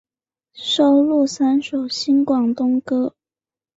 收录三首新广东歌。